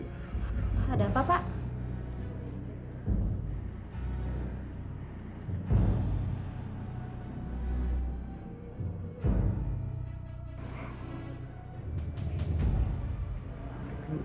ada apa pak